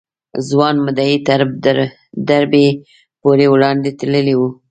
ځوان مدعي تر دربي پورې وړاندې تللی و.